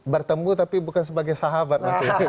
bertemu tapi bukan sebagai sahabat